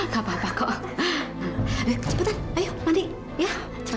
yang terhormat tasha